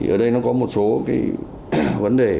ở đây nó có một số vấn đề